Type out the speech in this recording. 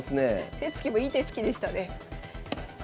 手つきもいい手つきでしたね。